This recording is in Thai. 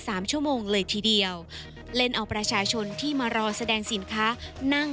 สามชั่วโมงเลยทีเดียวเล่นเอาประชาชนที่มารอแสดงสินค้านั่ง